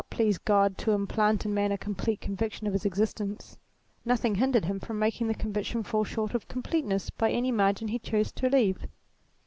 please God to implant in man a complete conviction of his exist ence, nothing hindered him from making the convic tion fall short of completeness by any margin he chose to leave.